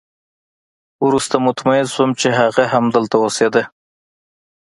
وروسته مطمئن شوم چې هغه همدلته اوسېده